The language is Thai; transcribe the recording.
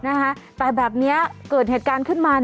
นะคะแต่แบบนี้เกิดเหตุการณ์ขึ้นมา